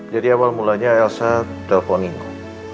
jadi awal mulanya elsa telpon nino